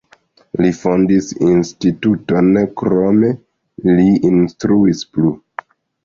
Li fondis instituton, krome li instruis plu.